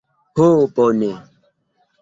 Ho bone